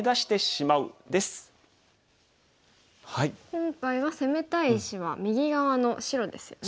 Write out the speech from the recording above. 今回は攻めたい石は右側の白ですよね。